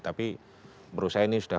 tapi menurut saya ini sudah